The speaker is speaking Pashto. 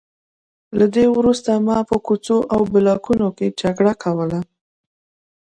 له دې وروسته ما په کوڅو او بلاکونو کې جګړه کوله